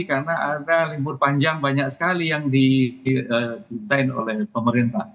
karena ada limbur panjang banyak sekali yang di desain oleh pemerintah